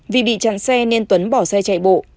vì bị chặn xe nên tuấn bỏ xe chạy bộ